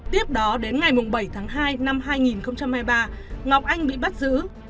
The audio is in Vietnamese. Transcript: tiếp đó đến ngày bảy tháng hai năm hai nghìn hai mươi ba ngọc anh bị bắt giữ